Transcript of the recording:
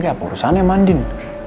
apa yang harus aku lakukan